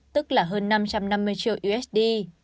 tức là hơn năm trăm năm mươi triệu usd